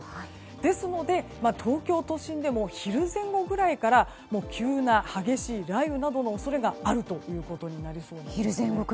ですので東京都心でも昼前後ぐらいから急な激しい雷雨などの恐れがありそうです。